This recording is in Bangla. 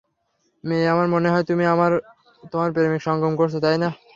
মেয়ে, আমার মনে হয় তুমি আর তোমার প্রেমিক সঙ্গম করছ, তাই না?